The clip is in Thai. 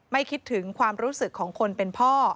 ไม่คิดถึงความรู้สึกของคนเป็นพ่อ